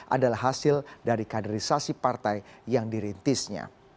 adalah hasil dari kaderisasi partai yang dirintisnya